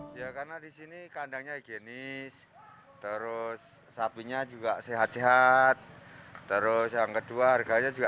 ya karena di sini kandangnya higienis terus sapinya juga sehat sehat terus yang kedua harganya juga